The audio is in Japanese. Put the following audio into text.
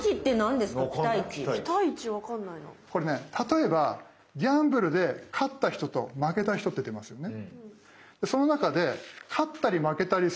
これね例えばギャンブルで勝った人と負けた人って出ますよね。